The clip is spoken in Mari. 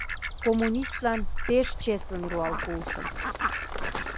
— Коммунистлан пеш чеслын руал пуышым.